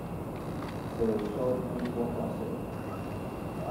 Se usó muy poco acero.